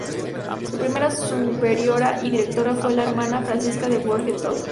Su primera superiora y directora, fue la Hermana Francisca de Borja Touche.